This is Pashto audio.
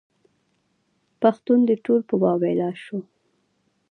پښتون دې ټول په واویلا شو.